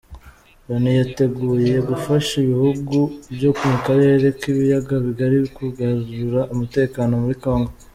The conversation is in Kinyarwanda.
Loni yiteguye gufasha ibihugu byo mu karere k’ibiyaga bigari kugarura umutekano muri kongo